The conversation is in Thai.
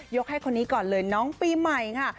ให้คนนี้ก่อนเลยน้องปีใหม่ค่ะ